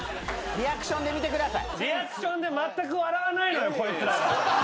リアクションで見てください。